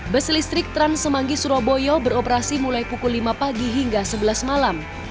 bus listrik trans semanggi surabaya beroperasi mulai pukul lima pagi hingga sebelas malam